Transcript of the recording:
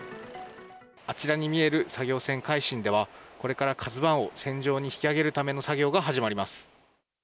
あちらに見える作業船「海進」ではこれから「ＫＡＺＵ１」を船上に引き揚げるための作業が始まります。